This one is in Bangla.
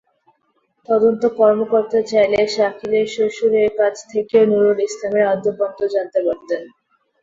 তদন্ত কর্মকর্তা চাইলে শাকিলের শ্বশুরের কাছ থেকেও নূরুল ইসলামের আদ্যোপান্ত জানতে পারতেন।